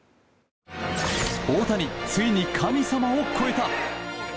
大谷、ついに神様を超えた！